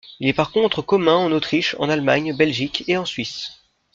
Il est par contre commun en Autriche, en Allemagne, Belgique et en Suisse.